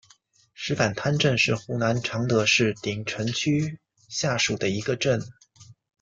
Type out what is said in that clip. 石板滩镇是湖南常德市鼎城区下属的一个镇。